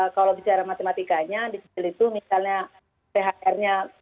kalau bicara matematikanya dicicil itu misalnya thr nya